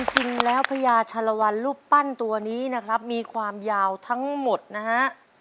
จริงแล้วพญาชาลวันรูปปั้นตัวนี้นะครับมีความยาวทั้งหมดนะฮะ